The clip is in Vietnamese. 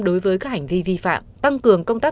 đối với các hành vi vi phạm tăng cường công tác